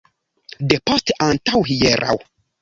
Depost antaŭhieraŭ.